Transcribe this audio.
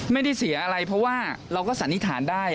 ไม่ได้เสียอะไรเพราะว่าเราก็สันนิษฐานได้